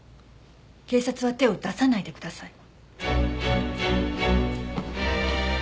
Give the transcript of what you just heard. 警察は手を出さないでください。